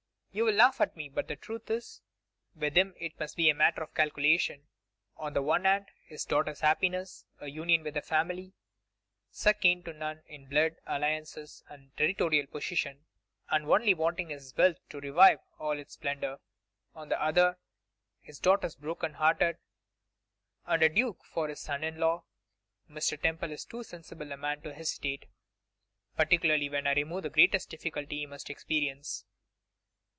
You will laugh at me, but the truth is, with him it must be a matter of calculation: on the one hand, his daughter's happiness, a union with a family second to none in blood, alliances, and territorial position, and only wanting his wealth to revive all its splendour; on the other, his daughter broken hearted, and a duke for his son in law. Mr. Temple is too sensible a man to hesitate, particularly when I remove the greatest difficulty he must experience.